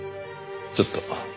ちょっと。